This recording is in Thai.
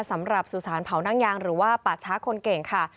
สำหรับสู่สารเผานั่งยางหรือว่าปาชะคนเก่งค่ะ